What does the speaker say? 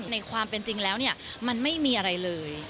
ในความเป็นจริงแล้วเนี่ยมันไม่มีอะไรเลย